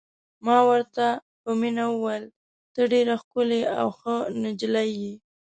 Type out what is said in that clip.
ما ورته په مینه وویل: ته ډېره ښکلې او ښه نجلۍ یې.